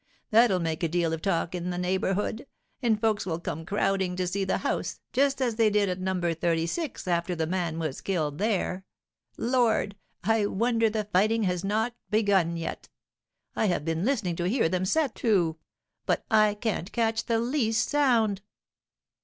That'll make a deal of talk in the neighbourhood; and folks will come crowding to see the house, just as they did at No. 36 after the man was killed there. Lord! I wonder the fighting has not begun yet. I have been listening to hear them set to; but I can't catch the least sound."